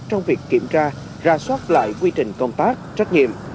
trong việc kiểm tra ra soát lại quy trình công tác trách nhiệm